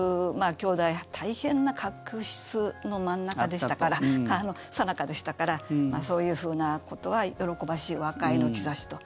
兄弟、大変な確執の真ん中さなかでしたからそういうふうなことは喜ばしい和解の兆しと。